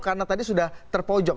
karena tadi sudah terpojok